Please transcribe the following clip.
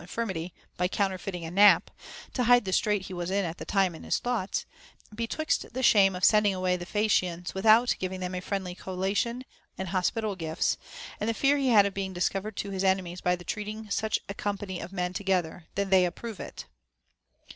XIII. 216. 72 HOW A YOUNG MAN OUGHT infirmity, by counterfeiting a nap, to hide the strait he was in at that time in his thoughts, betwixt the shame of send ing away the Phaeacians without giving them a friendly collation and hospitable gifts, and the fear he had of being discovered to his enemies by the treating such a company of men together, they then approve it.